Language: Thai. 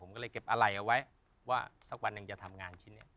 ผมก็เลยเก็บอะไรเอาไว้ว่าสักวันหนึ่งจะทำงานชิ้นนี้